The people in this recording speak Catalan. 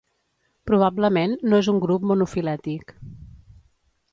Probablement no és un grup monofilètic.